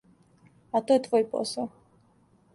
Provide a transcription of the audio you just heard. А то је твој посао.